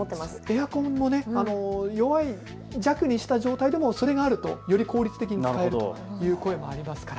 エアコンも弱い、弱にした状態でもそれがあるとより効率的に伝えるという声もありますから。